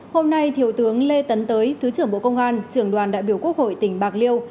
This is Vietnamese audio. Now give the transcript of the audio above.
hôm nay thiếu tướng lê tấn tới thứ trưởng bộ công an trưởng đoàn đại biểu quốc hội tỉnh bạc liêu